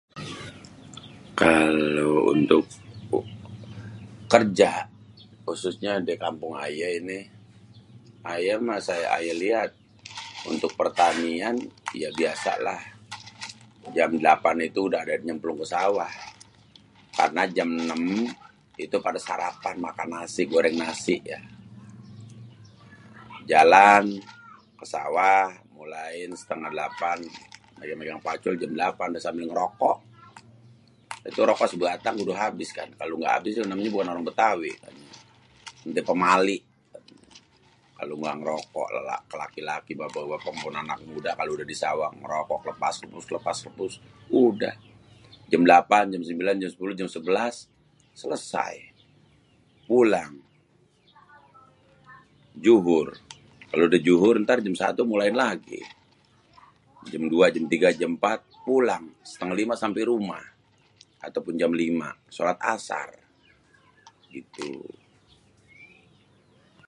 kalo untuk kerja, khususnya di kampung ayé ini. Ayé mah saya ayé liat untuk pértanian ya biasalah. jam 8 itu udah nyémplung ké sawah, karena jam 6 itu pada sarapan makan nasi goreng nasi yaa. Jalan ke sawah muléin séténgah 8, lagi mégang paculjam 8 sambil ngerokok, itu rokok sebatang udah abis kan kalo gak abis itu namanya bukan orang bétawi, itu pamali kalo gak ngérokok ké laki-laki, bapak-bapak, maopun anak muda kalo di sawah ngérokok lépas lépus lépas lépus udah jam 8, jem 9, jem 10, jem 11 selesai, pulang, dzuhur, kalo udah dzuhur éntar jam 1 mulain lagi. Jem 2, jem 3, jem 4, pulang, setengah 5 sampé rumah atopun jam 5, sholat Asar gitu.